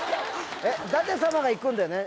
舘様が行くんだよね？